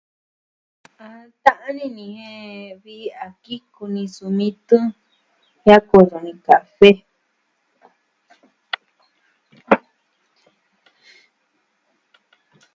A ta'an ini jen vi a kiku ni sumi tun kua ko'o va kafe .